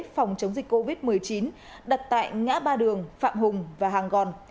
phòng chống dịch covid một mươi chín đặt tại ngã ba đường phạm hùng và hàng gòn